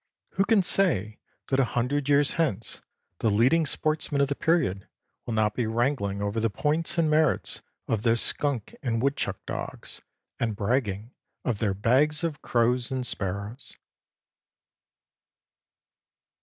Who can say that a hundred years hence the leading sportsmen of the period will not be wrangling over the points and merits of their skunk and woodchuck dogs and bragging of their bags of crows and sparrows?